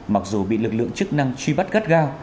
mặc dù bị lực lượng chức năng truy bắt gắt gao